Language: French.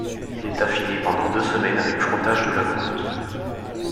Il est affiné pendant deux semaines avec frottage de la croûte.